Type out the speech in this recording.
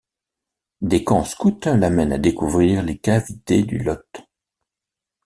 Des camps scouts l'amènent à découvrir les cavités du Lot.